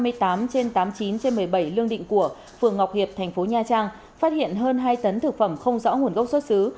phường ngọc hiệp tp nha trang phát hiện hơn hai tấn thực phẩm không rõ nguồn gốc xuất xứ